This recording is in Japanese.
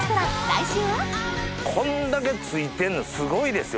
こんだけ付いてんのすごいですよ。